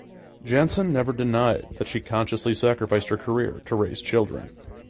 Janson "never denied that she consciously sacrificed her career to raise children".